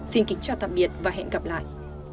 xin kính chào tạm biệt và hẹn gặp lại